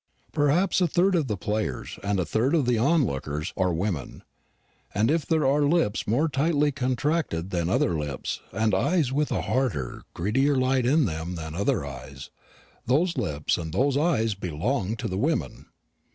Perhaps a third of the players and a third of the lookers on are women. And if there are lips more tightly contracted than other lips, and eyes with a harder, greedier light in them than other eyes, those lips and those eyes belong to the women.